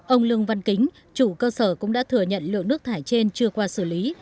ông lương văn kính chủ cơ sở cũng đã thừa nhận lượng nước thải trên chưa qua xử lý